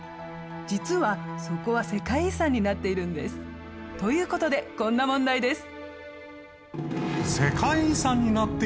実はそこは世界遺産になっているんです。という事でこんな問題です。